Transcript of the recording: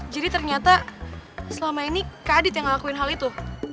jadi ternyata selama ini kak adit yang ngelakuin hal itu